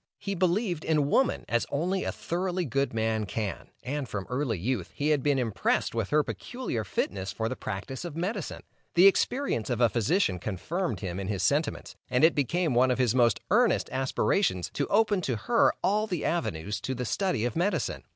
He believed in woman as only a thoroughly good man can, and from early youth, he had been impressed with her peculiar fitness for the practice of medicine. The experience of a physician confirmed him in his sentiments, and it became one of his most earnest aspirations to open to her all the avenues to the study of medicine.